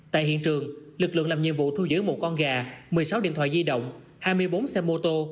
tại hiện trường lực lượng làm nhiệm vụ thu giữ một con gà một mươi sáu điện thoại di động hai mươi bốn xe mô tô